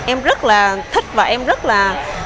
em rất là thích và em rất là